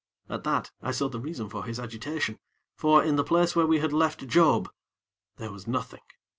At that, I saw the reason for his agitation, for, in the place where we had left Job, there was nothing.